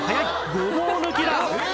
ごぼう抜きだ！